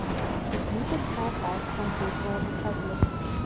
Die Blütezeit reicht von Februar bis August.